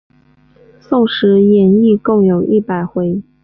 宋史演义共有一百回。